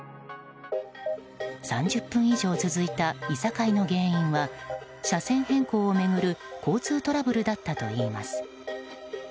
３０分以上続いたいさかいの原因は車線変更を巡る交通トラブルだったといいます。